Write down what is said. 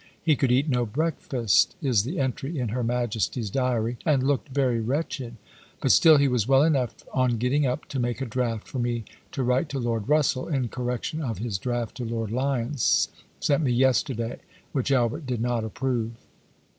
"He could eat no breakfast," is the entry in her Majesty's diary, "and looked very wretched. But still he was well enough on getting up to make a di'aft for me to write to Lord Eussell, in correction of his draft to Lord Lyons, sent me yesterday, which Albert did not approve."